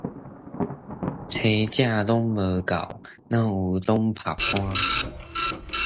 生食攏無夠，哪有通曬乾